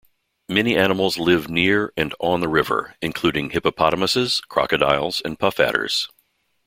Many animals live near and on the river, including hippopotamuses, crocodiles and puff adders.